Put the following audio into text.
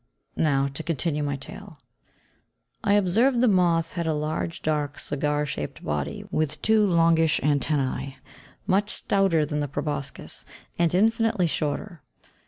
Now to continue my tale. I observed the moth had a large, dark, cigar shaped body, with two longish antennæ, much stouter than the proboscis, and infinitely shorter.